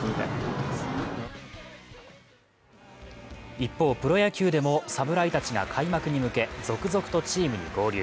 一方、プロ野球でもサムライたちが開幕に向け続々とチームに合流。